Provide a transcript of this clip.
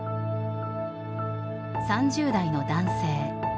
３０代の男性。